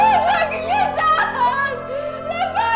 ibu jangan lagi ke kota